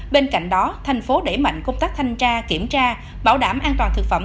bên cạnh đó tp hcm đẩy mạnh công tác thanh tra kiểm tra bảo đảm an toàn thực phẩm